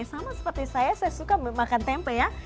sama seperti saya saya suka makan tempe ya